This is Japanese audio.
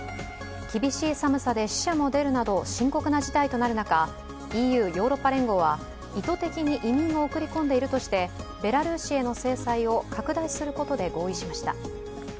厳しい寒さで死者も出るなど、深刻な事態となる中、ＥＵ＝ヨーロッパ連合は意図的に移民を送り込んでいるとしてベラルーシへの制裁を拡大することで合意しました。